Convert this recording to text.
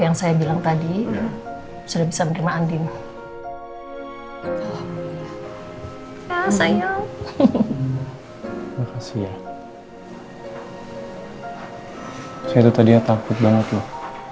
yang saya bilang tadi sudah bisa menerima andi ya sayang makasih ya saya tuh tadi takut banget loh